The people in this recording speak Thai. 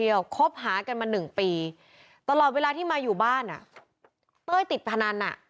อย่างเข้ามานะ